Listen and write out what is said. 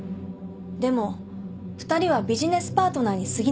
でも２人はビジネスパートナーにすぎなかった。